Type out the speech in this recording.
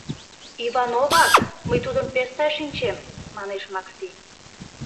— Ивановак, мый тудым пеш сай шинчем, — манеш Макси.